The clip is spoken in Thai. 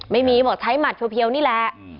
ไม่มีบอกใช้หมัดเพียวนี่แหละ